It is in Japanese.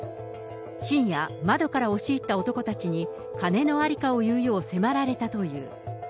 深夜、窓から押し入った男たちに金のありかを言うよう迫られたという。